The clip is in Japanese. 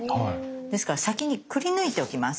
ですから先にくりぬいておきます。